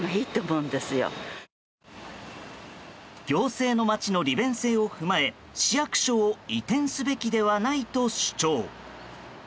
行政の街の利便性を踏まえ市役所を移転すべきではないと主張。